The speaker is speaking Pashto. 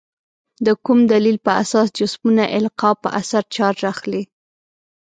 د کوم دلیل په اساس جسمونه القا په اثر چارج اخلي؟